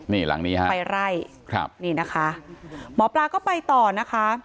นี่หลังนี้ฮะไปไล่ครับนี่นะคะหมอปลาก็ไปต่อนะคะ